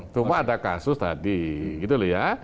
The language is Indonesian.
cuma ada kasus tadi gitu loh ya